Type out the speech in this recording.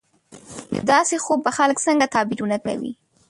د داسې خوب به خلک څنګه تعبیرونه کوي